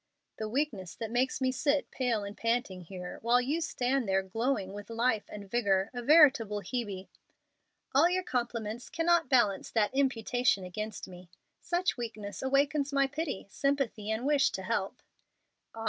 "The weakness that makes me sit pale and panting here, while you stand there glowing with life and vigor, a veritable Hebe." "All your compliments cannot balance that imputation against me. Such weakness awakens my pity, sympathy, and wish to help." "Ah!